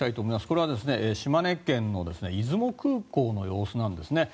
これは島根県の出雲空港の様子なんですね。